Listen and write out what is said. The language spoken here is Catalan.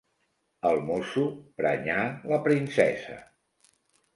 El mosso prenyà la princesa.